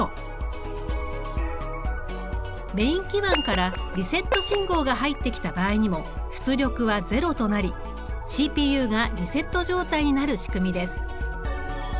メイン基板からリセット信号が入ってきた場合にも出力は０となりＣＰＵがリセット状態になる仕組みです。